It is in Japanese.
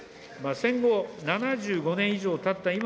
戦後７５年以上たった